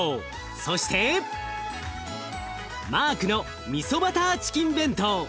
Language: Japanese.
そしてマークのみそバターチキン弁当。